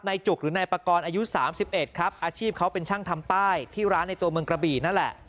จุกหรือนายปากรอายุ๓๑ครับอาชีพเขาเป็นช่างทำป้ายที่ร้านในตัวเมืองกระบี่นั่นแหละ